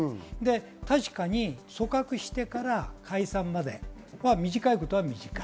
確かに組閣してから解散までは短いことは短い。